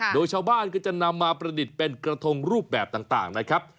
โดยชาวบ้านก็จะนำมาประดิษฐ์เป็นกระทงรูปแบบต่างนะครับ